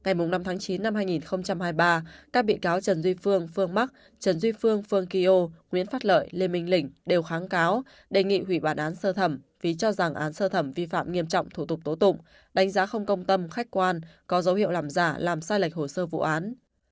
các bị cáo trần duy phương phương mắc trần duy phương phương kio nguyễn phát lợi lê minh lĩnh đều kháng cáo đề nghị hủy bản án sơ thẩm vì cho rằng án sơ thẩm vi phạm nghiêm trọng thủ tục tố tụng đánh giá không công tâm khách quan có dấu hiệu làm giả làm sai lệch hồ sơ vụ án